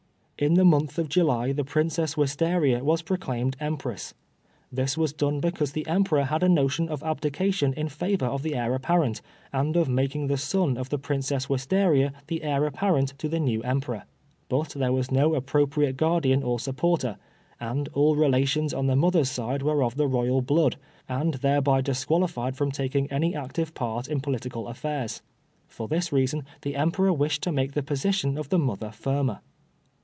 In the month of July the Princess Wistaria was proclaimed Empress. This was done because the Emperor had a notion of abdication in favor of the Heir apparent and of making the son of the Princess Wistaria the Heir apparent to the new Emperor, but there was no appropriate guardian or supporter, and all relations on the mother's side were of the Royal blood, and thereby disqualified from taking any active part in political affairs. For this reason the Emperor wished to make the position of the mother firmer.